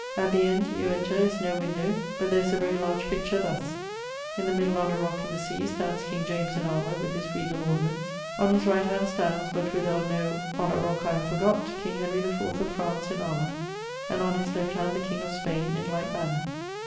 At the end you enter is no windowe, but there is a very large picture, thus: in the middle on a rock in the sea stands King James in armour, with his regall ornaments; on his right hand stands (but whither or no on a rock I have forgott), King Henry 4 of France, in armour; and on his left hand, the King of Spaine, in like manner.